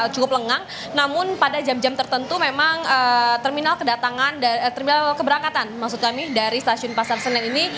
cukup lengang namun pada jam jam tertentu memang terminal keberangkatan dari stasiun pasar senen ini